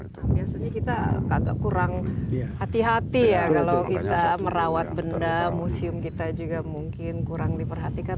biasanya kita agak kurang hati hati ya kalau kita merawat benda museum kita juga mungkin kurang diperhatikan